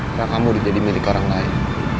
karena kamu sudah dimiliki orang lain